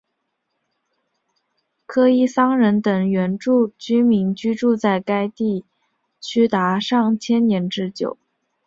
科伊桑人等原住民居住在该地区达数千年之久。